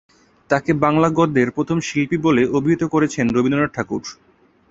তাকে বাংলা গদ্যের প্রথম শিল্পী বলে অভিহিত করেছেন রবীন্দ্রনাথ ঠাকুর।